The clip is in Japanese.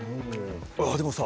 あっでもさ